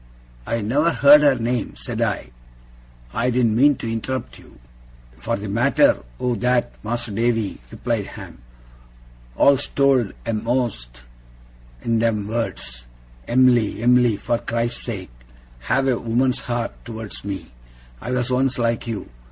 'I never heard her name,' said I. 'I didn't mean to interrupt you.' 'For the matter o' that, Mas'r Davy,' replied Ham, 'all's told a'most in them words, "Em'ly, Em'ly, for Christ's sake, have a woman's heart towards me. I was once like you!"